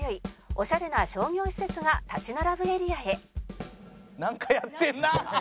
オシャレな商業施設が立ち並ぶエリアへなんかやってんな！